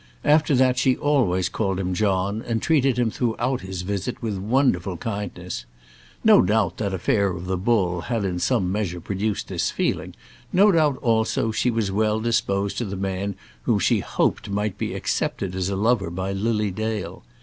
After that she always called him John, and treated him throughout his visit with wonderful kindness. No doubt that affair of the bull had in some measure produced this feeling; no doubt, also, she was well disposed to the man who she hoped might be accepted as a lover by Lily Dale.